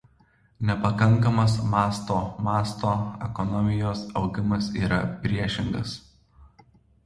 Nepakankamas masto masto ekonomijos augimas yra priešingas.